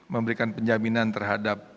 memberikan penjaminan terhadap